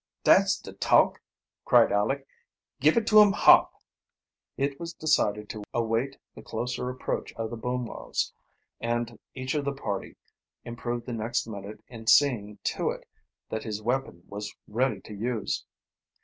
"Dat's de talk!" cried Aleck. "Give it to 'em hot!" It was decided to await the closer approach of the Bumwos, and each of the party improved the next minute in seeing to it that his weapon was ready for use.